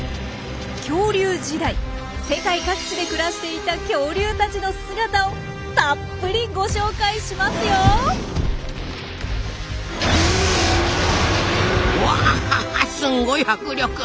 恐竜時代世界各地で暮らしていた恐竜たちの姿をたっぷりご紹介しますよ！わすごい迫力！